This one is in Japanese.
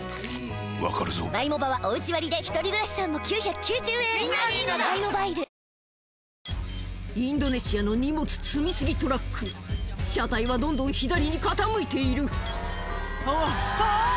わかるぞインドネシアの荷物積み過ぎトラック車体はどんどん左に傾いているあっあぁ